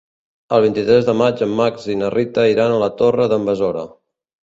El vint-i-tres de maig en Max i na Rita iran a la Torre d'en Besora.